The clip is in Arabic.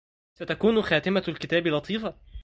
ستكون خاتمة الكتاب لطيفة